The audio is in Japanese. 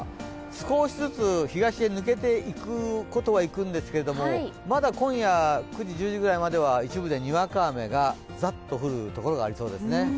少しずつ東へ抜けていくことは抜けていくんですけれどもまだ今夜、９時１０時ぐらいまでは一部でにわか雨がざっと降るところがあります。